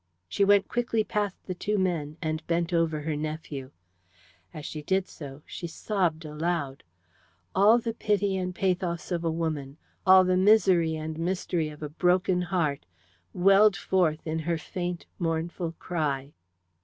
She went quickly past the two men, and bent over her nephew. As she did so, she sobbed aloud. All the pity and pathos of a woman, all the misery and mystery of a broken heart, welled forth in her faint mournful cry.